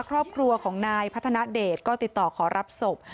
ครอบครัวของนายพัฒนาเดชก็ติดต่อขอรับศพ